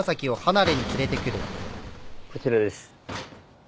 こちらです。